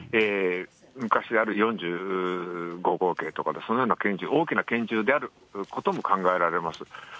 昔ある４５口径とか、そのような拳銃、大きな拳銃であることも考えられます。